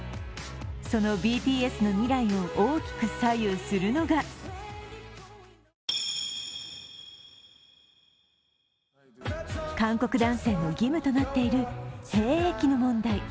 そのＢＴＳの未来を大きく左右するのが韓国男性の義務となっている兵役の問題。